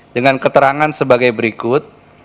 dengan keterangan sebagai berikut